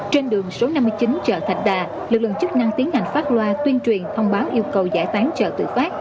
trên đường số năm mươi chín chợ thạch đà lực lượng chức năng tiến hành phát loa tuyên truyền thông báo yêu cầu giải tán chợ tự phát